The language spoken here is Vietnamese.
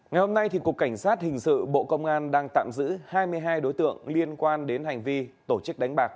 ngày hôm nay cục cảnh sát hình sự bộ công an đang tạm giữ hai mươi hai đối tượng liên quan đến hành vi tổ chức đánh bạc